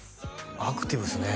アクティブっすね